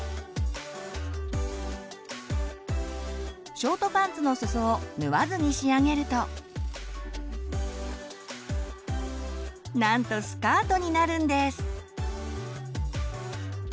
ショートパンツのすそを縫わずに仕上げるとなんとスカートになるんです！